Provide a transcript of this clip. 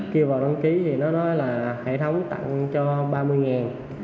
kêu vào đăng ký thì nó nói là hệ thống tặng cho ba mươi ngàn